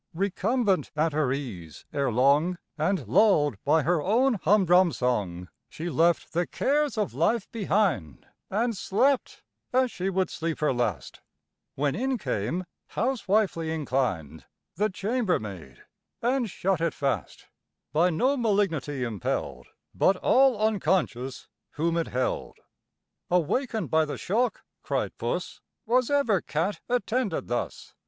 Recumbent at her ease, ere long, And lull'd by her own humdrum song, She left the cares of life behind, And slept as she would sleep her last, When in came, housewifely inclined, The chambermaid, and shut it fast; By no malignity impell'd, But all unconscious whom it held. Awaken'd by the shock (cried Puss) "Was ever cat attended thus?